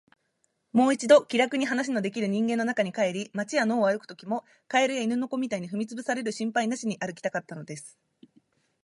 もう一度、気らくに話のできる人間の中に帰り、街や野を歩くときも、蛙や犬の子みたいに踏みつぶされる心配なしに歩きたかったのです。